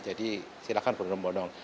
jadi silahkan berhubung hubung